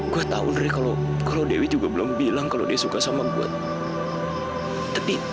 gue tahu ndre kalau dewi juga belum bilang kalau dia suka sama gue